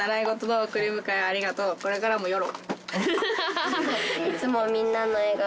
「これからもよろ」